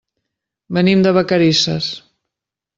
Venim de Vacarisses.